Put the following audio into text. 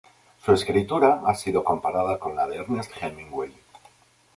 Su escritura ha sido comparada con la de Ernest Hemingway.